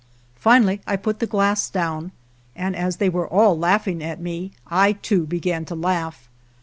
Finally I put the glass down, and as they were all laugh ing at me, I too, began to laugh.